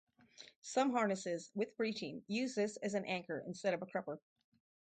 Some harnesses with breeching use this as an anchor instead of a crupper.